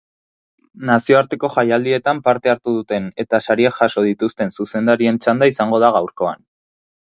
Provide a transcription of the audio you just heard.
Nazioarteko jaialdietan parte hartu duten eta sariak jaso dituztenzuzendarien txanda izango da gaurkoan.